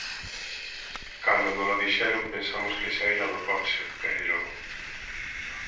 Cando nolo dixeron pensamos que saíra do coche, pero...